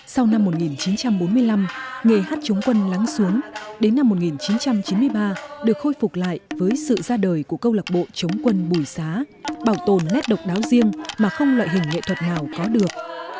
sau năm một nghìn chín trăm bốn mươi năm nghề hát chống quân lắng xuống đến năm một nghìn chín trăm chín mươi ba được khôi phục lại với sự ra đời của câu lạc bộ chống quân bùi xá bảo tồn nét độc đáo riêng mà không loại hình nghệ thuật nào có được